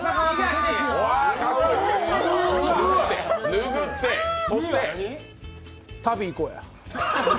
ぬぐって、そして旅、行こうや。